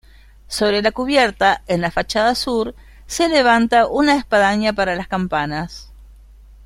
Sobre la cubierta, en la fachada sur, se levanta una espadaña para las campanas.